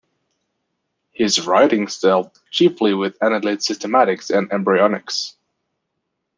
His writings dealt chiefly with annelid systematics and embryonics.